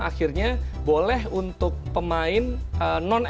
akhirnya boleh untuk pemain non asn